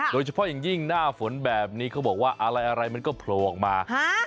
โดยเฉพาะอย่างยิ่งหน้าฝนแบบนี้เขาบอกว่าอะไรมันก็โผล่ออกมา